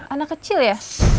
anak kecil ya